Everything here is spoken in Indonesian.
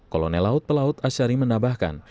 kolonel laut pelaut ashari menambahkan